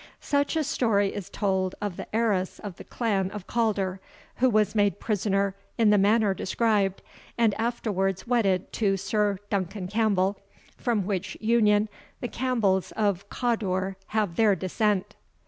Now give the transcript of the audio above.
[Such a story is told of the heiress of the clan of Calder, who was made prisoner in the manner described, and afterwards wedded to Sir Duncan Campbell, from which union the Campbells of Cawdor have their descent.